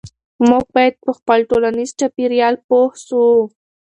موږ باید په خپل ټولنیز چاپیریال پوه سو.